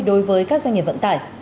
đối với các doanh nghiệp vận tải